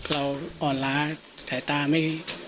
เราอ่อนล้าสไถ่ตา